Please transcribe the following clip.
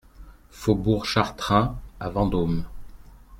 Faubourg Chartrain à Vendôme